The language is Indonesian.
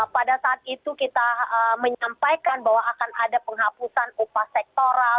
pada saat itu kita menyampaikan bahwa akan ada penghapusan upah sektoral